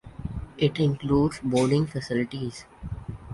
It includes boarding facilities.